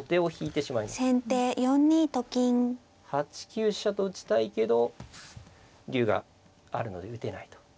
８九飛車と打ちたいけど竜があるので打てないと。